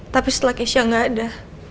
tapi setelah keisha gak ada